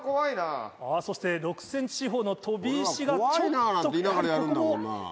そして６ｃｍ四方の飛び石がちょっとここも。